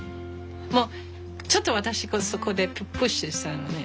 ちょっと私がそこでプッシュしたよね。